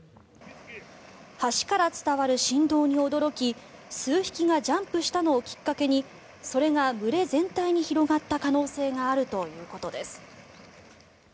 橋から伝わる振動に驚き数匹がジャンプしたのをきっかけにそれが群れ全体に広がった可能性があるということです。